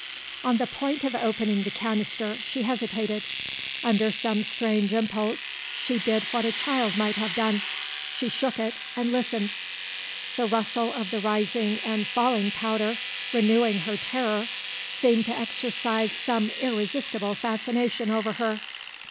On the point of opening the canister she hesitated. Under some strange impulse, she did what a child might have done: she shook it, and listened. The rustle of the rising and falling powder renewing her terror seemed to exercise some irresistible fascination over her.